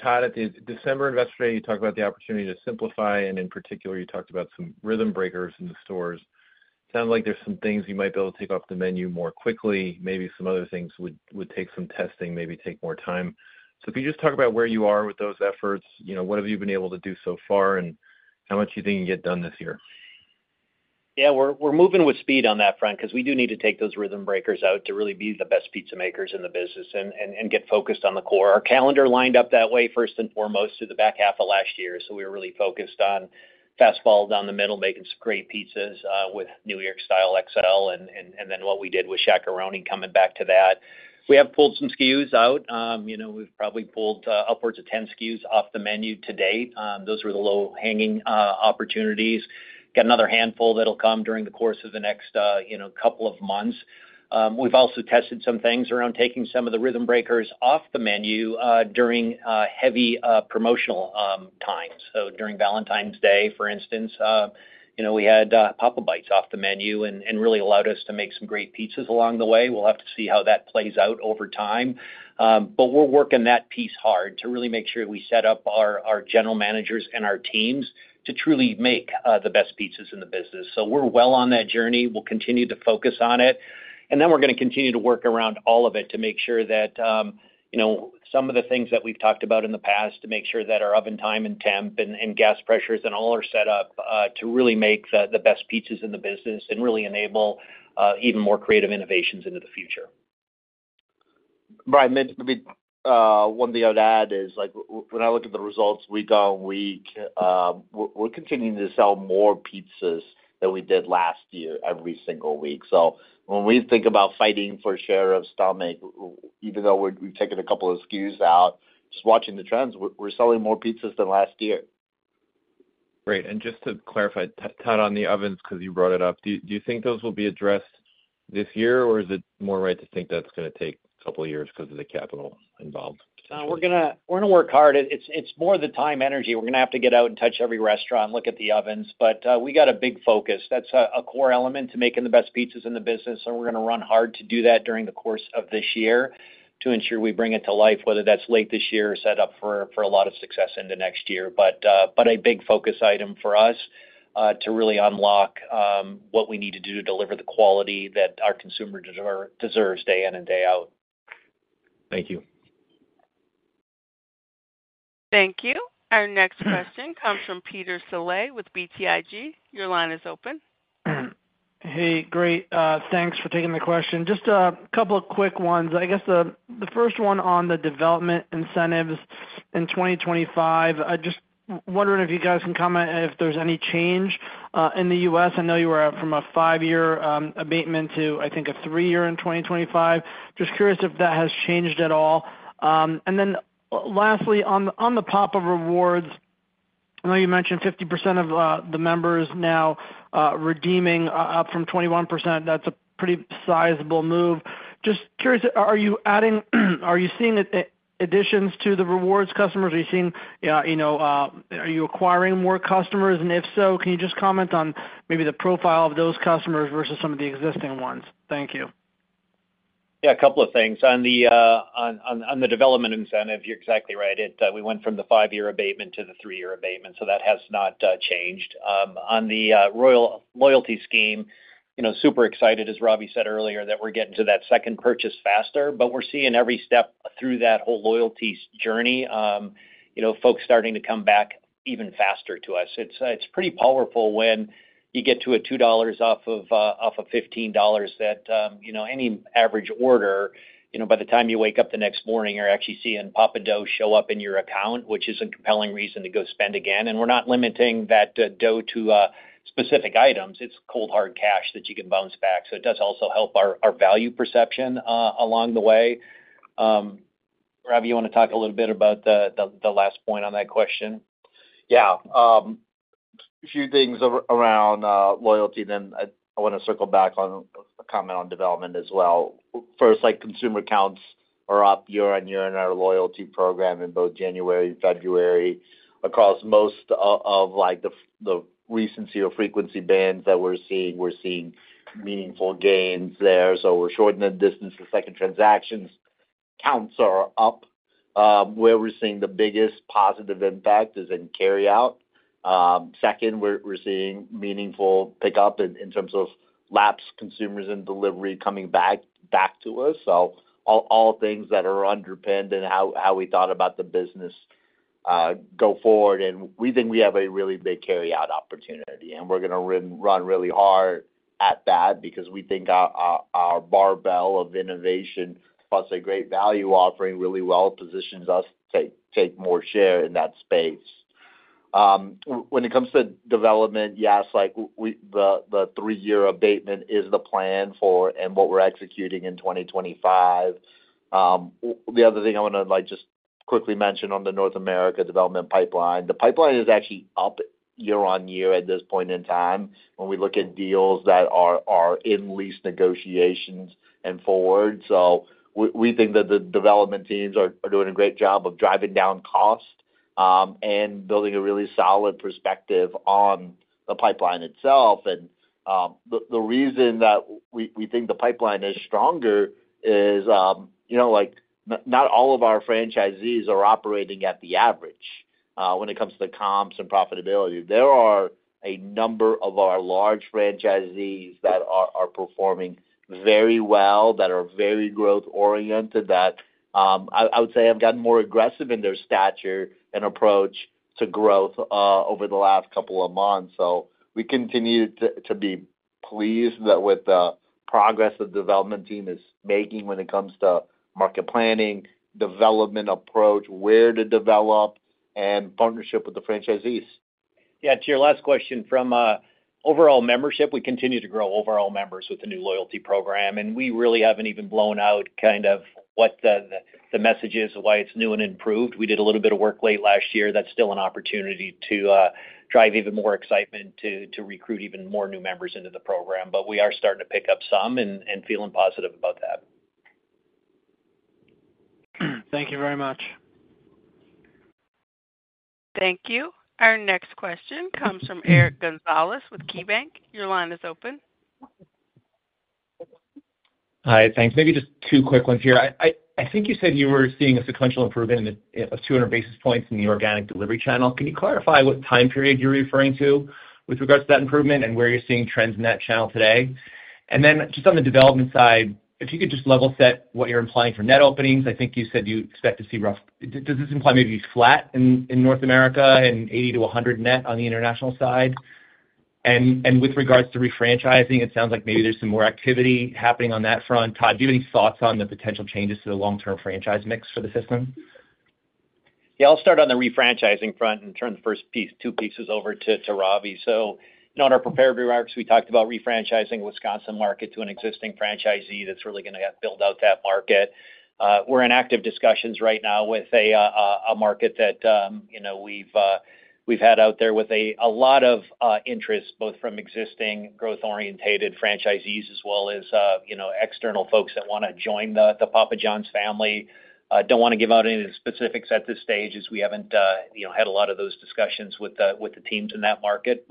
Todd, at the December investor day, you talked about the opportunity to simplify, and in particular, you talked about some rhythm breakers in the stores. Sounds like there's some things you might be able to take off the menu more quickly. Maybe some other things would take some testing, maybe take more time. So if you just talk about where you are with those efforts, what have you been able to do so far, and how much do you think you'll get done this year? Yeah, we're moving with speed on that front because we do need to take those rhythm breakers out to really be the best pizza makers in the business and get focused on the core. Our calendar lined up that way first and foremost through the back half of last year. So we were really focused on fastballs down the middle, making some great pizzas with New York style XL, and then what we did with Shaq-a-Roni coming back to that. We have pulled some SKUs out. We've probably pulled upwards of 10 SKUs off the menu to date. Those were the low-hanging opportunities. Got another handful that'll come during the course of the next couple of months. We've also tested some things around taking some of the rhythm breakers off the menu during heavy promotional times. So during Valentine's Day, for instance, we had Papa Bites off the menu and really allowed us to make some great pizzas along the way. We'll have to see how that plays out over time. But we're working that piece hard to really make sure we set up our general managers and our teams to truly make the best pizzas in the business. So we're well on that journey. We'll continue to focus on it. And then we're going to continue to work around all of it to make sure that some of the things that we've talked about in the past to make sure that our oven time and temp and gas pressures and all are set up to really make the best pizzas in the business and really enable even more creative innovations into the future. Brian, maybe one thing I'd add is when I look at the results week on week, we're continuing to sell more pizzas than we did last year every single week. So when we think about fighting for a share of stomach, even though we've taken a couple of SKUs out, just watching the trends, we're selling more pizzas than last year. Great. Just to clarify, Todd, on the ovens because you brought it up, do you think those will be addressed this year, or is it more right to think that's going to take a couple of years because of the capital involved? We're going to work hard. It's more the time energy. We're going to have to get out and touch every restaurant, look at the ovens. But we got a big focus. That's a core element to making the best pizzas in the business. And we're going to run hard to do that during the course of this year to ensure we bring it to life, whether that's late this year or set up for a lot of success into next year. But a big focus item for us to really unlock what we need to do to deliver the quality that our consumer deserves day in and day out. Thank you. Thank you. Our next question comes from Peter Saleh with BTIG. Your line is open. Hey, great. Thanks for taking the question. Just a couple of quick ones. I guess the first one on the development incentives in 2025. Just wondering if you guys can comment if there's any change in the U.S. I know you were from a five-year abatement to, I think, a three-year in 2025. Just curious if that has changed at all. And then lastly, on the Papa Rewards, I know you mentioned 50% of the members now redeeming up from 21%. That's a pretty sizable move. Just curious, are you seeing additions to the rewards customers? Are you acquiring more customers? And if so, can you just comment on maybe the profile of those customers versus some of the existing ones? Thank you. Yeah, a couple of things. On the development incentive, you're exactly right. We went from the five-year abatement to the three-year abatement. So that has not changed. On the loyalty scheme, super excited, as Ravi said earlier, that we're getting to that second purchase faster. But we're seeing every step through that whole loyalty journey, folks starting to come back even faster to us. It's pretty powerful when you get to a $2 off of $15 that any average order, by the time you wake up the next morning, you're actually seeing Papa Dough show up in your account, which is a compelling reason to go spend again. And we're not limiting that Dough to specific items. It's cold, hard cash that you can bounce back. So it does also help our value perception along the way. Ravi, you want to talk a little bit about the last point on that question? Yeah. A few things around loyalty. Then I want to circle back on a comment on development as well. First, consumer counts are up year-on-year in our loyalty program in both January and February across most of the recency or frequency bands that we're seeing. We're seeing meaningful gains there. So we're shortening the distance. The second transaction counts are up. Where we're seeing the biggest positive impact is in carryout. Second, we're seeing meaningful pickup in terms of lapsed consumers and delivery coming back to us. So all things that are underpinned and how we thought about the business go forward. And we think we have a really big carryout opportunity. And we're going to run really hard at that because we think our barbell of innovation, plus a great value offering, really well positions us to take more share in that space. When it comes to development, yes, the three-year abatement is the plan for and what we're executing in 2025. The other thing I want to just quickly mention on the North America development pipeline. The pipeline is actually up year-on-year at this point in time when we look at deals that are in lease negotiations and forward. So we think that the development teams are doing a great job of driving down cost and building a really solid perspective on the pipeline itself. And the reason that we think the pipeline is stronger is not all of our franchisees are operating at the average when it comes to comps and profitability. There are a number of our large franchisees that are performing very well, that are very growth-oriented, that I would say have gotten more aggressive in their stature and approach to growth over the last couple of months, so we continue to be pleased with the progress the development team is making when it comes to market planning, development approach, where to develop, and partnership with the franchisees. Yeah, to your last question, from overall membership, we continue to grow overall members with the new loyalty program, and we really haven't even blown out kind of what the message is, why it's new and improved. We did a little bit of work late last year. That's still an opportunity to drive even more excitement to recruit even more new members into the program, but we are starting to pick up some and feeling positive about that. Thank you very much. Thank you. Our next question comes from Eric Gonzalez with KeyBanc. Your line is open. Hi. Thanks. Maybe just two quick ones here. I think you said you were seeing a sequential improvement of 200 basis points in the organic delivery channel. Can you clarify what time period you're referring to with regards to that improvement and where you're seeing trends in that channel today? And then just on the development side, if you could just level set what you're implying for net openings, I think you said you expect to see roughly, does this imply maybe flat in North America and 80-100 net on the international side? And with regards to refranchising, it sounds like maybe there's some more activity happening on that front. Todd, do you have any thoughts on the potential changes to the long-term franchise mix for the system? Yeah, I'll start on the refranchising front and turn the first two pieces over to Ravi. So on our prepared remarks, we talked about refranchising a Wisconsin market to an existing franchisee that's really going to build out that market. We're in active discussions right now with a market that we've had out there with a lot of interest, both from existing growth-oriented franchisees as well as external folks that want to join the Papa John's family. Don't want to give out any specifics at this stage as we haven't had a lot of those discussions with the teams in that market.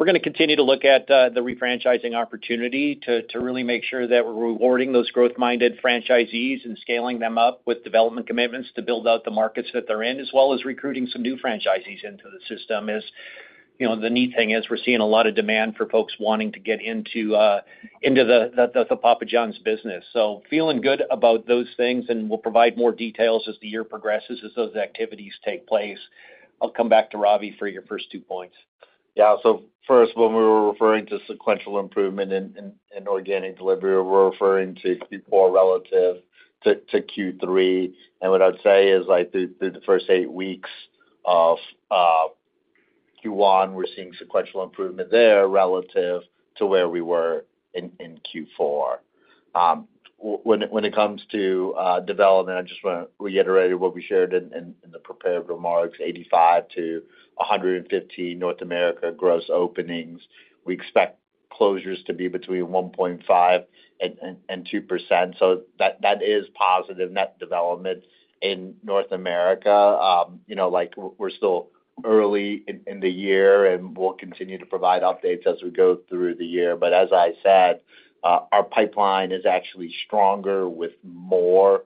But we're going to continue to look at the refranchising opportunity to really make sure that we're rewarding those growth-minded franchisees and scaling them up with development commitments to build out the markets that they're in, as well as recruiting some new franchisees into the system. The neat thing is we're seeing a lot of demand for folks wanting to get into the Papa John's business, so feeling good about those things, and we'll provide more details as the year progresses as those activities take place. I'll come back to Ravi for your first two points. Yeah. So first, when we were referring to sequential improvement in organic delivery, we're referring to Q4 relative to Q3, and what I'd say is that through the first eight weeks of Q1, we're seeing sequential improvement there relative to where we were in Q4. When it comes to development, I just want to reiterate what we shared in the prepared remarks: 85-150 North America gross openings. We expect closures to be between 1.5% and 2%. So that is positive net development in North America. We're still early in the year, and we'll continue to provide updates as we go through the year, but as I said, our pipeline is actually stronger with more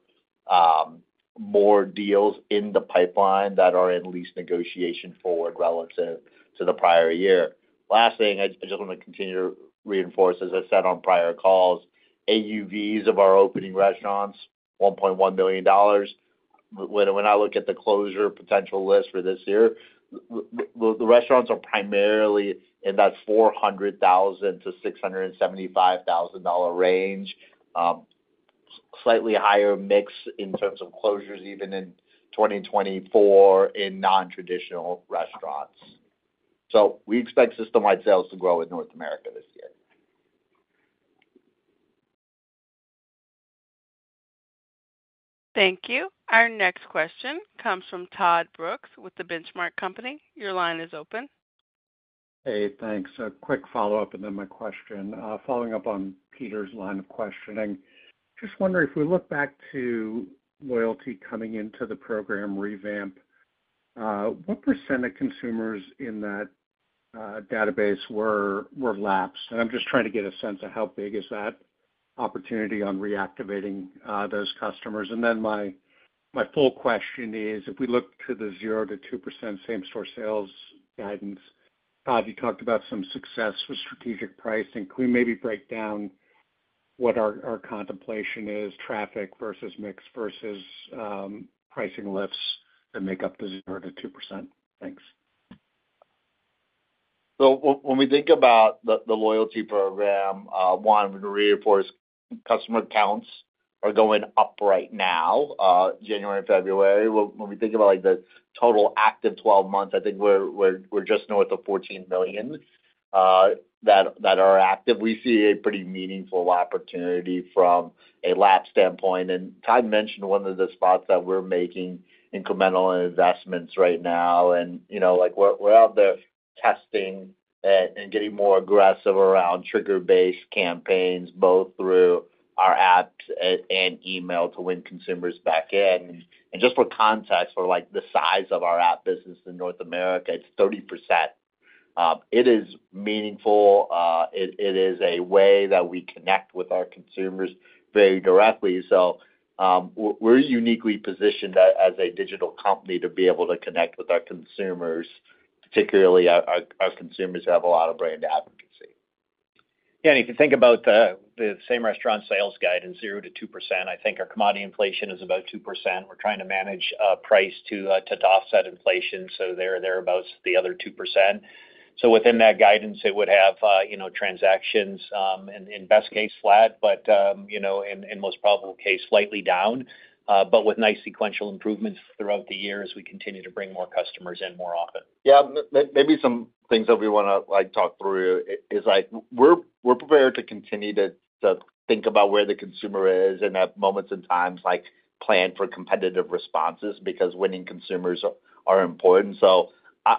deals in the pipeline that are in lease negotiation forward relative to the prior year. Last thing, I just want to continue to reinforce, as I said on prior calls, AUVs of our opening restaurants $1.1 million. When I look at the closure potential list for this year, the restaurants are primarily in that $400,000-$675,000 range, slightly higher mix in terms of closures even in 2024, in non-traditional restaurants, so we expect system-wide sales to grow with North America this year. Thank you. Our next question comes from Todd Brooks with The Benchmark Company. Your line is open. Hey, thanks. A quick follow-up and then my question. Following up on Peter's line of questioning, just wondering if we look back to loyalty coming into the program revamp, what % of consumers in that database were lapsed? And I'm just trying to get a sense of how big is that opportunity on reactivating those customers. And then my full question is, if we look to the 0%-2% same-store sales guidance, Todd, you talked about some success with strategic pricing. Can we maybe break down what our contemplation is, traffic versus mix versus pricing lifts that make up the 0%-2%? Thanks. So when we think about the loyalty program, one, I'm going to reinforce customer counts are going up right now, January and February. When we think about the total active 12 months, I think we're just north of 14 million that are active. We see a pretty meaningful opportunity from a lapsed standpoint. Todd mentioned one of the spots that we're making incremental investments right now. We're out there testing and getting more aggressive around trigger-based campaigns, both through our apps and email to win consumers back in. Just for context, for the size of our app business in North America, it's 30%. It is meaningful. It is a way that we connect with our consumers very directly. We're uniquely positioned as a digital company to be able to connect with our consumers, particularly our consumers who have a lot of brand advocacy. Yeah, and if you think about the same-restaurant sales guidance, 0%-2%, I think our commodity inflation is about 2%. We're trying to manage price to offset inflation. They're about the other 2%. So within that guidance, it would have transactions in best case flat, but in most probable case, slightly down, but with nice sequential improvements throughout the year as we continue to bring more customers in more often. Yeah. Maybe some things that we want to talk through is we're prepared to continue to think about where the consumer is and at moments and times plan for competitive responses because winning consumers are important. So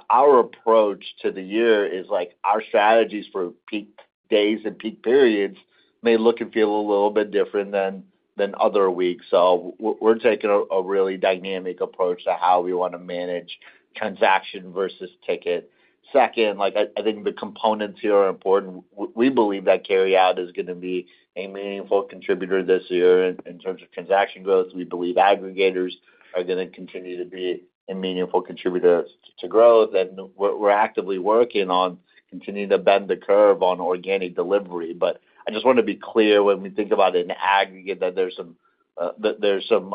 our approach to the year is our strategies for peak days and peak periods may look and feel a little bit different than other weeks. So we're taking a really dynamic approach to how we want to manage transaction versus ticket. Second, I think the components here are important. We believe that carryout is going to be a meaningful contributor this year in terms of transaction growth. We believe aggregators are going to continue to be a meaningful contributor to growth. And we're actively working on continuing to bend the curve on organic delivery. But I just want to be clear when we think about it in aggregate that there's some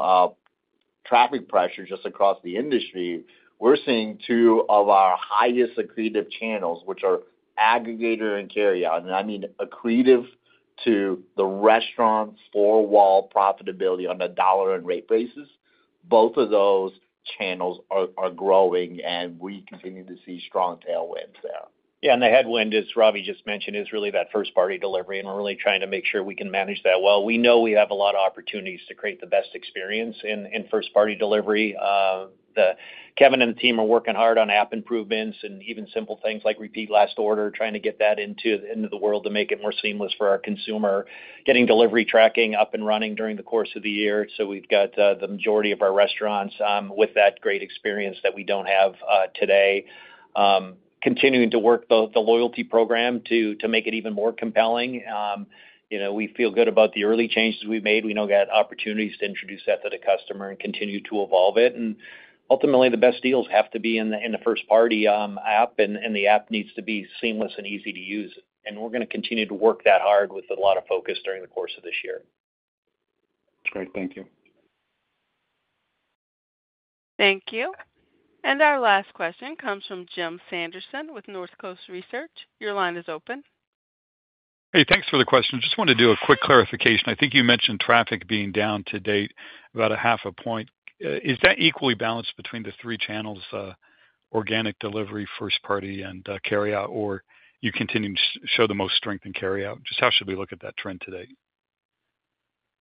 traffic pressure just across the industry. We're seeing two of our highest accretive channels, which are aggregator and carryout. And I mean accretive to the restaurant's four-wall profitability on a dollar and rate basis. Both of those channels are growing, and we continue to see strong tailwinds there. Yeah. And the headwind, as Ravi just mentioned, is really that first-party delivery. And we're really trying to make sure we can manage that well. We know we have a lot of opportunities to create the best experience in first-party delivery. Kevin and the team are working hard on app improvements and even simple things like repeat last order, trying to get that into the world to make it more seamless for our consumer, getting delivery tracking up and running during the course of the year. So we've got the majority of our restaurants with that great experience that we don't have today. Continuing to work the loyalty program to make it even more compelling. We feel good about the early changes we've made. We know we've got opportunities to introduce that to the customer and continue to evolve it. And ultimately, the best deals have to be in the first-party app, and the app needs to be seamless and easy to use. And we're going to continue to work that hard with a lot of focus during the course of this year. That's great. Thank you. Thank you. Our last question comes from Jim Sanderson with Northcoast Research. Your line is open. Hey, thanks for the question. I just want to do a quick clarification. I think you mentioned traffic being down year-to-date about a half a point. Is that equally balanced between the three channels, organic delivery, first-party, and carryout, or do you continue to show the most strength in carryout? Just how should we look at that trend today?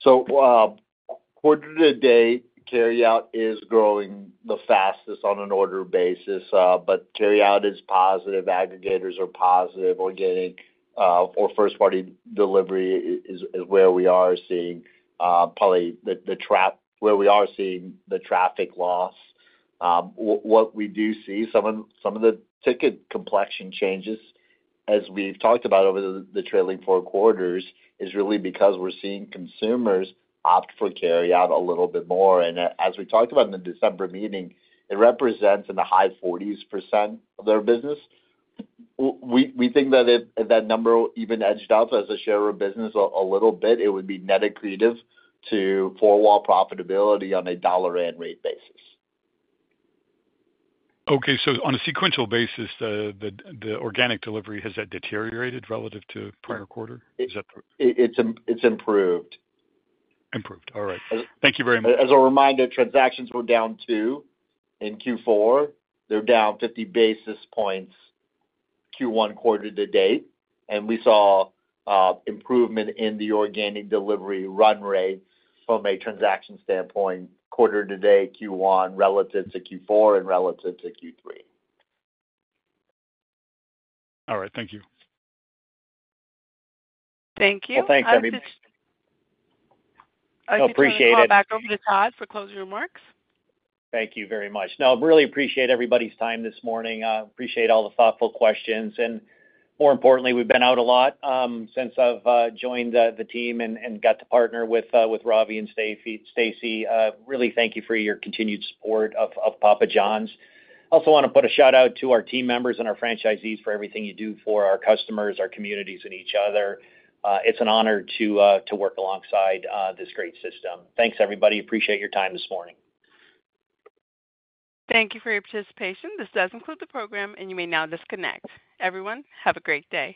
Quarter-to-date carryout is growing the fastest on an order basis. But carryout is positive. Aggregators are positive. Organic or first-party delivery is where we are seeing probably the traffic loss. What we do see, some of the ticket complexion changes, as we've talked about over the trailing four quarters, is really because we're seeing consumers opt for carryout a little bit more. As we talked about in the December meeting, it represents in the high 40s% of their business. We think that if that number even edged up as a share of business a little bit, it would be net accretive to four-wall profitability on a dollar and rate basis. Okay. So on a sequential basis, the organic delivery, has that deteriorated relative to prior quarter? Is that? It's improved. Improved. All right. Thank you very much. As a reminder, transactions were down 2% in Q4. They're down 50 basis points Q1 quarter-to-date. And we saw improvement in the organic delivery run rate from a transaction standpoint, quarter-to-date Q1 relative to Q4 and relative to Q3. All right. Thank you. Thank you. Well, thanks. I mean, I appreciate it. I'll call back over to Todd for closing remarks. Thank you very much. No, I really appreciate everybody's time this morning. I appreciate all the thoughtful questions. More importantly, we've been out a lot since I've joined the team and got to partner with Ravi and Stacy. Really thank you for your continued support of Papa John's. I also want to put a shout-out to our team members and our franchisees for everything you do for our customers, our communities, and each other. It's an honor to work alongside this great system. Thanks, everybody. Appreciate your time this morning. Thank you for your participation. This concludes the program, and you may now disconnect. Everyone, have a great day.